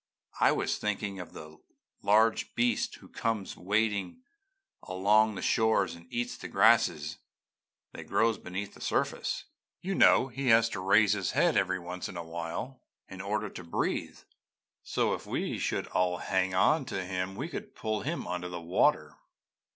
I was thinking of the large beast who comes wading along the shores and eats the grasses that grow beneath the surface. You know he has to raise his head every once in a while in order to breathe, so if we should all hang on to him we could pull him under the water.'